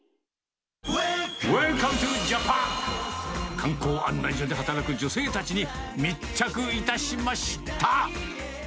観光案内所で働く女性たちに密着いたしました。